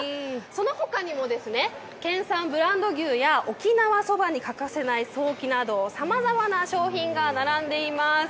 その他にも、県産ブランド牛や沖縄そばに欠かせないソーキなど、さまざまな商品が並んでいます。